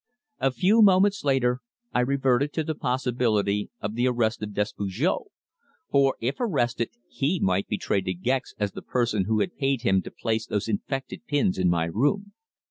A few moments later I reverted to the possibility of the arrest of Despujol, for if arrested he might betray De Gex as the person who had paid him to place those infected pins in my room.